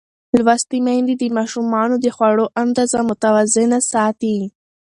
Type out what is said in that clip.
لوستې میندې د ماشومانو د خوړو اندازه متوازنه ساتي.